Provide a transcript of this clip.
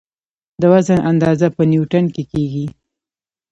د وزن اندازه په نیوټن کې کېږي.